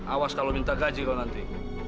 awas kalau minta gaji kalau nanti